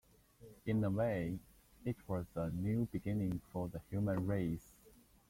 In a way, it was a new beginning for the human race.